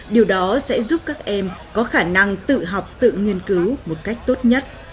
điều đó sẽ giúp các em có khả năng tự học tự nghiên cứu một cách tốt nhất